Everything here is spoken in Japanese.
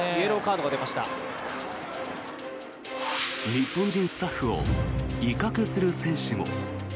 日本人スタッフを威嚇する選手も。